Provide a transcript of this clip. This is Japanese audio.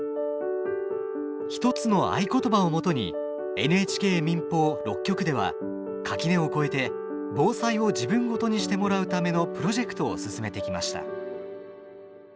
一つの合言葉をもとにＮＨＫ民放６局では垣根を越えて防災を自分ごとにしてもらうためのプロジェクトを進めてきました。